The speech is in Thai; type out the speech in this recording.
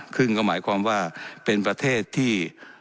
ซึ่งก็หมายความว่าเป็นประเทศที่